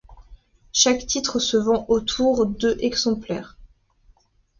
Chaque titre se vend autour de exemplaires.